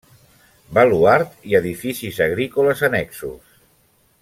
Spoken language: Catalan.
Baluard i edificis agrícoles annexos.